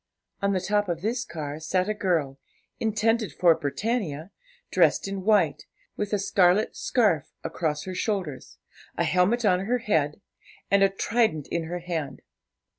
On the top of this car sat a girl, intended for Britannia, dressed in white, with a scarlet scarf across her shoulders, a helmet on her head, and a trident in her hand.